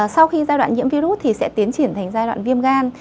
sau khi giai đoạn nhiễm virus thì sẽ tiến triển thành giai đoạn viêm gan